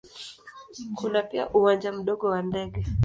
Kuna pia uwanja mdogo wa ndege.